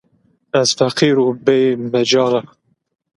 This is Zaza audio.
Ez feqîr û bêmecal a